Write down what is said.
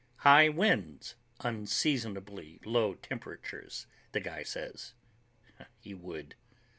"High winds, unseasonably low temperatures," the guy says. He would.